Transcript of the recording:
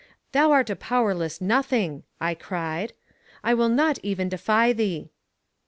Thou art a powerless nothing, I cried; I will not even defy thee.